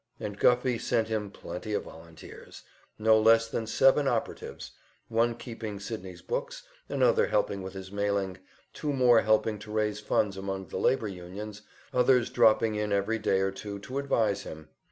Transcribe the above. And Guffey sent him plenty of volunteers no less than seven operatives one keeping Sydney's books, another helping with his mailing, two more helping to raise funds among the labor unions, others dropping in every day or two to advise him.